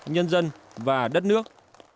nhân dân và đất nước